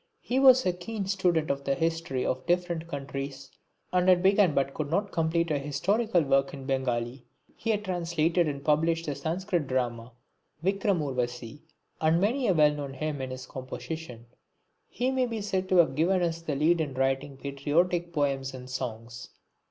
He was a keen student of the history of different countries and had begun but could not complete a historical work in Bengali. He had translated and published the Sanskrit drama, Vikramorvasi, and many a well known hymn is his composition. He may be said to have given us the lead in writing patriotic poems and songs.